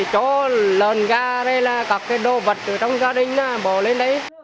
rồi là làm sống bè đó bật nó phải lấy còn